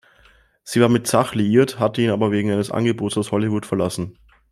Sie war mit Zach liiert, hatte ihn aber wegen eines Angebotes aus Hollywood verlassen.